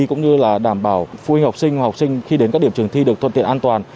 cũng như là đảm bảo phụ huynh học sinh và học sinh khi đến các điểm trường thi được thuận tiện an toàn